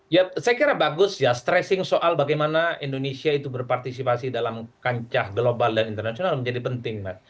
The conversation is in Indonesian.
ya saya kira bagus ya stressing soal bagaimana indonesia itu berpartisipasi dalam kancah global dan internasional menjadi penting mas